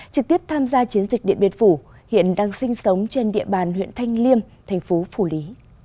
trực tiếp tham gia chiến dịch điện biên phủ hiện đang sinh sống trên địa bàn huyện thanh liêm thành phố phủ lý